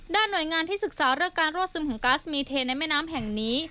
หน่วยงานที่ศึกษาเรื่องการรั่วซึมของก๊าซมีเทในแม่น้ำแห่งนี้